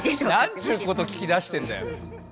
何ちゅうこと聞き出してんだよ。